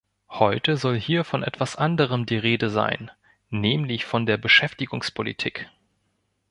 Heute soll hier von etwas anderem die Rede sein, nämlich von der Beschäftigungspolitik.